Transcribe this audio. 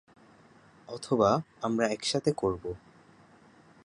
অথবা, আমরা একসাথে করবো।